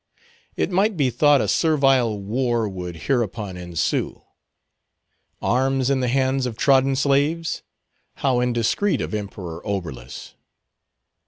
It might be thought a servile war would hereupon ensue. Arms in the hands of trodden slaves? how indiscreet of Emperor Oberlus!